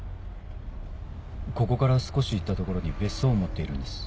ここから少し行った所に別荘を持っているんです。